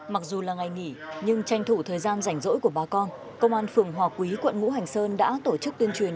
mặc dù là ngày nghỉ nhưng tranh thủ thời gian rảnh rỗi của bà con công an phường hòa quý quận ngũ hành sơn đã tổ chức tuyên truyền